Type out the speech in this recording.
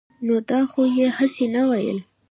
نو دا خو يې هسې نه وييل -